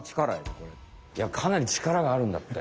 いやかなり力があるんだって。